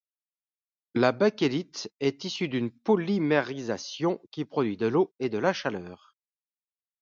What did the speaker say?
La Bakélite est issue d'une polymérisation qui produit de l'eau et de la chaleur.